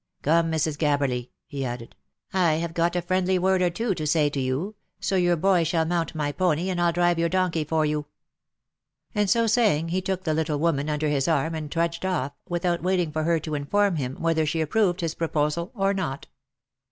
Come, Mrs. Gabberly," he added, " I have got a friendly word or two to say to you, so your boy shall mount my pony and I'll drive your donkey for you." And so saying, he took the little woman under his arm and trudged off, without waiting for her to inform him whether she approved his proposal, or not.